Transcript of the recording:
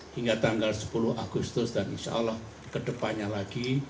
hingga tanggal sepuluh agustus dan insya allah kedepannya lagi